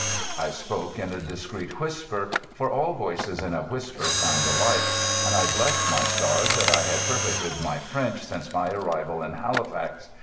I spoke in a discreet whisper, for all voices in a whisper sound alike; and I blessed my stars that I had perfected my French since my arrival in Halifax.